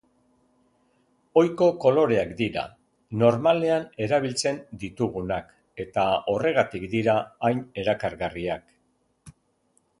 Ohiko koloreak dira, normalean erabiltzen ditugunak, eta horregatik dira hain erakargarriak.